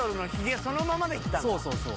「そうそうそう。